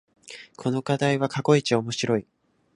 この課題は過去一面白い